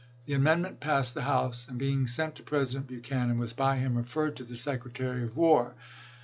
The amendment passed the House, and being sent to President Buchanan, was by him referred to the Secretary of War.